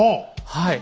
はい。